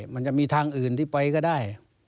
มันจะมีทางอื่นที่ไปก็ได้